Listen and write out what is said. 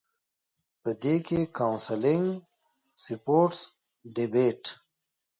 پۀ دې کښې کاونسلنګ ، سپورټس ، ډيبېټ ،